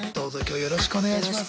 よろしくお願いします。